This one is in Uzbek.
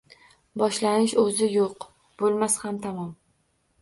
Boshlanish o‘zi yo‘q, bo‘lmas ham tamom!